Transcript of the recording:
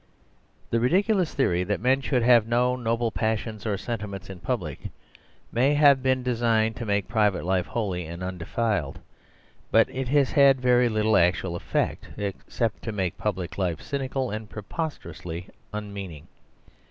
The ridiculous theory that men should have no noble passions or sentiments in public may have been designed to make private life holy and undefiled, but it has had very little actual effect except to make public life cynical and preposterously unmeaning.